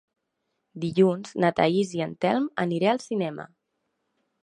Dilluns na Thaís i en Telm aniré al cinema.